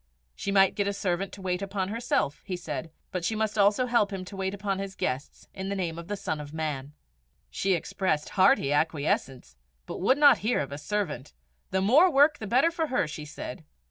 She might get a servant to wait upon herself, he said, but she must herself help him to wait upon his guests, in the name of the Son of Man. She expressed hearty acquiescence, but would not hear of a servant: the more work the better for her! she said.